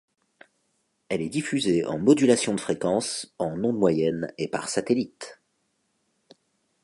Elle est diffusée en modulation de fréquence, en ondes moyennes et par satellite.